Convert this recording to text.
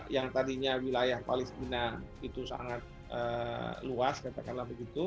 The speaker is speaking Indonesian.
yang tadinya wilayah palestina itu sangat luas katakanlah begitu